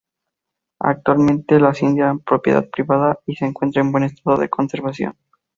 Actualmente la hacienda es propiedad privada y se encuentra en buen estado de conservación.